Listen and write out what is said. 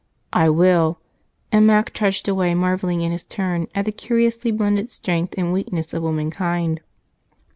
"I will!" And Mac trudged away, marveling in his turn at the curiously blended strength and weakness of womankind.